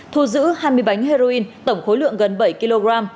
thu giữ hai mươi bánh heroin tổng khối lượng gần bảy kg